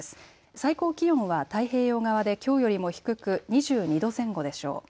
最高気温は太平洋側できょうよりも低く２２度前後でしょう。